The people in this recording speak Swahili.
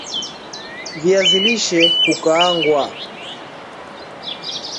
viazi lishe hukaangwa